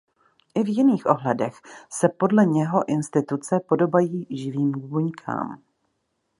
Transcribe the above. I v jiných ohledech se podle něho instituce podobají živým buňkám.